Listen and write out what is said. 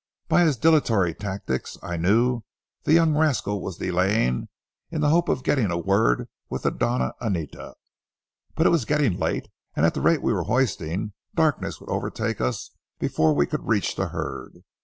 By his dilatory tactics, I knew the young rascal was delaying in the hope of getting a word with the Doña Anita. But it was getting late, and at the rate we were hoisting darkness would overtake us before we could reach the herd.